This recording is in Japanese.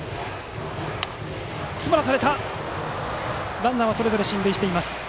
ランナーはそれぞれ進塁しています。